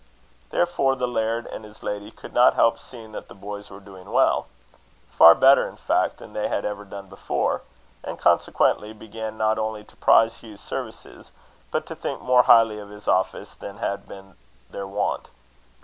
Therefore the laird and his lady could not help seeing that the boys were doing well, far better in fact than they had ever done before; and consequently began not only to prize Hugh's services, but to think more highly of his office than had been their wont.